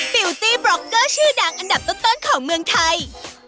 ฟิลตี้บล็อกเกอร์ชื่อดังอันดับต้นของเมืองไทย